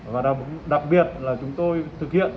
và đặc biệt là chúng tôi thực hiện